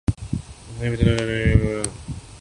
انسان کے فطری مطالبات، دیگر مخلوقات سے سوا ہیں۔